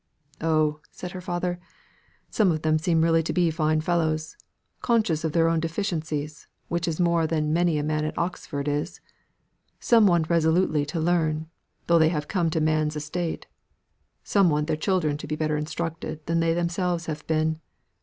"Oh," said her father, "some of them really seem to be fine fellows, conscious of their own deficiencies, which is more than many a man at Oxford is. Some want resolutely to learn, though they have come to man's estate. Some want their children to be better instructed than they themselves have been.